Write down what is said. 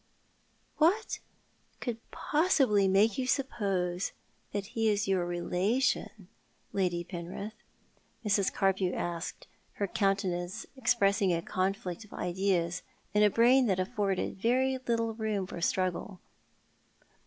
"What could possibly make you suppose that he is your relation, Lady Penrith? " Mrs. Carpew asked, her countenance expressing a conflict of ideas in a brain that afforded very little room for the struggle.